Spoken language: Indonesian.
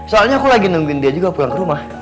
soalnya aku lagi nungguin dia juga pulang ke rumah